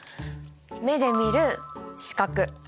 目で見る視覚。